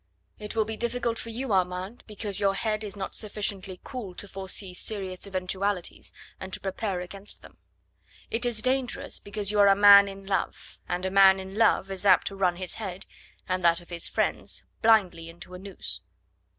"It will be difficult for you, Armand, because your head is not sufficiently cool to foresee serious eventualities and to prepare against them. It is dangerous, because you are a man in love, and a man in love is apt to run his head and that of his friends blindly into a noose."